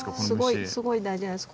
すごいすごい大事なんです。